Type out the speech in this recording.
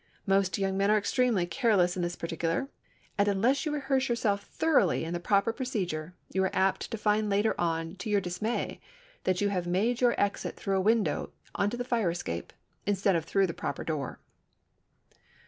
Most young men are extremely careless in this particular, and unless you rehearse yourself thoroughly in the proper procedure you are apt to find later on to your dismay that you have made your exit through a window onto the fire escape instead of through the proper door.